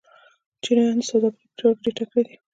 چینایان د سوداګرۍ په چارو کې ډېر تکړه دي.